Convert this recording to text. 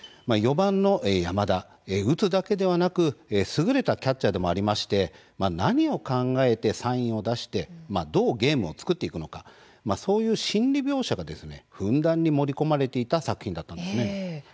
４番の山田打つだけでなく優れたキャッチャーでもありまして何を考えてサインを出してどうゲームを作っていくのかそういう心理描写がふんだんに盛り込まれていた作品だったんですね。